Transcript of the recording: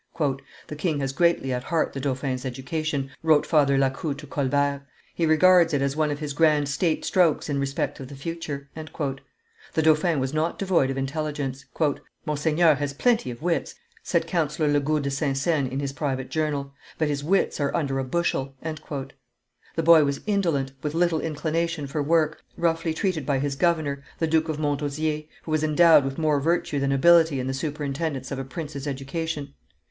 "The king has greatly at heart the dauphin's education," wrote Father Lacoue to Colbert; "he regards it as one of his grand state strokes in respect of the future." The dauphin was not devoid of intelligence. "Monseigneur has plenty of wits," said Councillor Le Gout de Saint Seine in his private journal, "but his wits are under a bushel." The boy was indolent, with little inclination for work, roughly treated by his governor, the Duke of Montausier, who was endowed with more virtue than ability in the superintendence of a prince's education.